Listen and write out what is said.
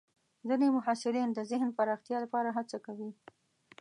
ځینې محصلین د ذهن پراختیا لپاره هڅه کوي.